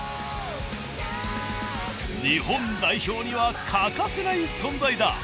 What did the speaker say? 日本代表には欠かせない存在だ！